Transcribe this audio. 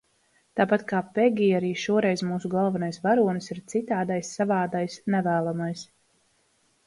Tāpat kā Pegija arī šoreiz mūsu galvenais varonis ir citādais, savādais, nevēlamais.